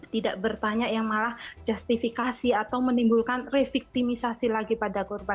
tidak bertanya yang malah justifikasi atau menimbulkan reviktimisasi lagi pada korban